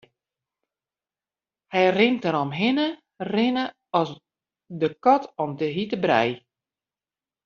Hy rint deromhinne rinne as de kat om de hjitte brij.